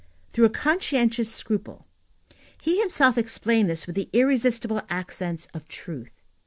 Through a conscientious scruple. He himself explained this with the irresistible accents of truth.